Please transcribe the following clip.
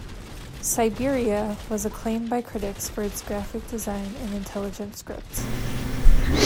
"Syberia" was acclaimed by critics for its graphic design and intelligent script.